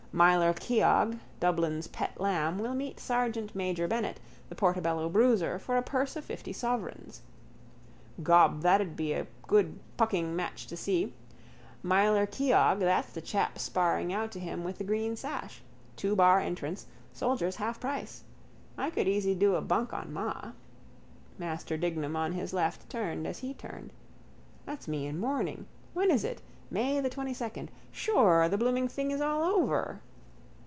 Myler Keogh, Dublin's pet lamb, will meet sergeantmajor Bennett, the Portobello bruiser, for a purse of fifty sovereigns. Gob, that'd be a good pucking match to see. Myler Keogh, that's the chap sparring out to him with the green sash. Two bar entrance, soldiers half price. I could easy do a bunk on ma. Master Dignam on his left turned as he turned. That's me in mourning. When is it? May the twentysecond. Sure, the blooming thing is all over.